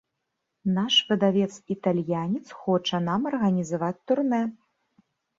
Наш выдавец-італьянец хоча нам арганізаваць турнэ.